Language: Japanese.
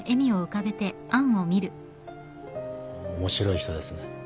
面白い人ですね。